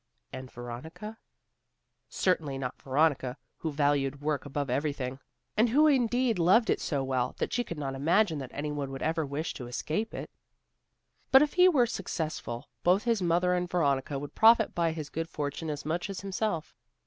And Veronica? Certainly not Veronica, who valued work above everything, and who indeed loved it so well, that she could not imagine that any one should ever wish to escape it. But if he were successful, both his mother and Veronica would profit by his good fortune as much as himself.